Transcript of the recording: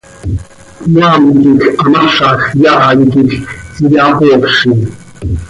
Cmaam quij hamazaj yaai quij iyapoozi.